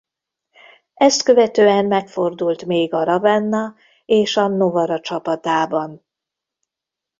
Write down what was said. Ezt követően megfordult még a Ravenna és a Novara csapatában.